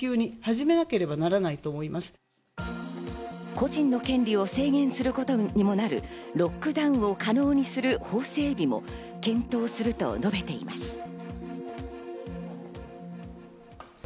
個人の権利を制限することにもなるロックダウンを可能にする法整備も検討すると述べています。